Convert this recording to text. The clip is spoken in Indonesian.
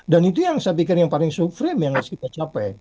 dan itu yang saya pikir yang paling supreme yang harus kita capai